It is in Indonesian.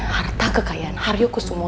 harta kekayaan hario kusumo